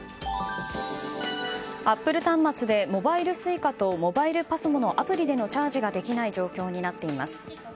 アップル端末でモバイルＳｕｉｃａとモバイルＰＡＳＭＯのアプリでのチャージができない状況になっています。